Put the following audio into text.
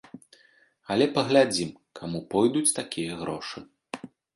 Але паглядзім, каму пойдуць такія грошы.